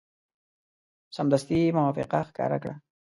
سمدستي موافقه ښکاره کړه.